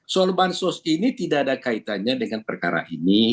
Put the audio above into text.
soal bansos ini tidak ada kaitannya dengan perkara ini